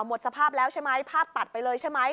หมดสภาพแล้วใช่ไหมภาพตัดไปเลยใช่ไหม